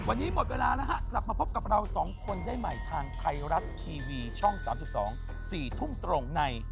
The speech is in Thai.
วันนี้หมดเวลาแล้วฮะกลับมาพบกับเราสองคนได้ใหม่ทางไทยรัฐทีวีช่อง๓๒๔ทุ่มตรงใน